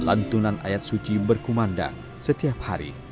lantunan ayat suci berkumandang setiap hari